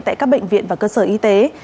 tại các bệnh viện và cơ sở y tế